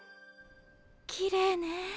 きれいね。